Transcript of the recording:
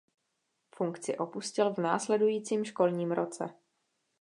Funkci opustil v následujícím školním roce.